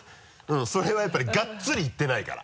それはやっぱりがっつりいってないから。